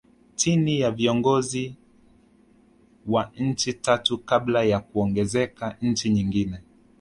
Chini ya viongozi wa nchi tatu kabla ya kuongezeka nchi nyingine